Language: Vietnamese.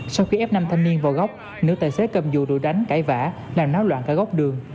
sau khi ép nam thanh niên vào góc nữ tài xế cầm dù đánh cãi vã làm náo loạn cả góc đường